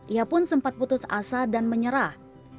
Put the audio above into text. ia pun sempat putus asa dan menyerah